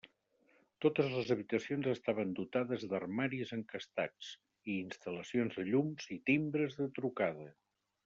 Totes les habitacions estaven dotades d'armaris encastats i instal·lacions de llums i timbres de trucada.